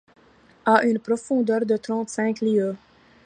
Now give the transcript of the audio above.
À une profondeur de trente-cinq lieues.